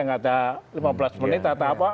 nggak ada lima belas menit atau apa